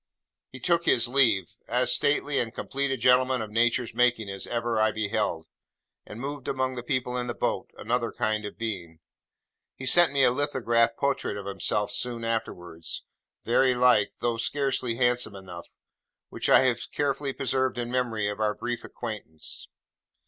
He took his leave; as stately and complete a gentleman of Nature's making, as ever I beheld; and moved among the people in the boat, another kind of being. He sent me a lithographed portrait of himself soon afterwards; very like, though scarcely handsome enough; which I have carefully preserved in memory of our brief acquaintance.